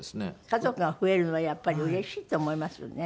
家族が増えるのはやっぱりうれしいと思いますよね。